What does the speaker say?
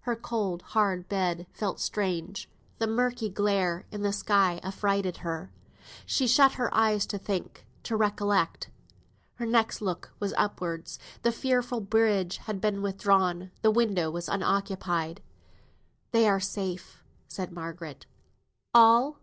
Her cold, hard bed felt strange; the murky glare in the sky affrighted her. She shut her eyes to think, to recollect. Her next look was upwards. The fearful bridge had been withdrawn; the window was unoccupied. "They are safe," said Margaret. "All?